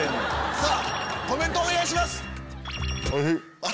さぁコメントお願いします！